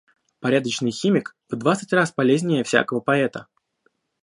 Порядочный химик в двадцать раз полезнее всякого поэта.